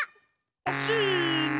おっしの！